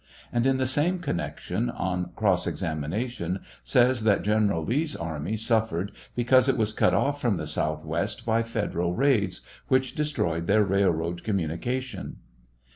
And in the same connection, on cross examination, says that General Lee's array suffered because it was cut off from the southwest by federal raids, which destroyed their railroad communication.